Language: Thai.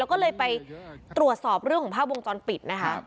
เราก็ก็เลยไปตรวจสอบเรื่องผ้าบวงจรปิดนะคะ